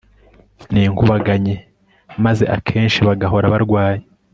ninkubaganyi maze akenshi bagahora barwaye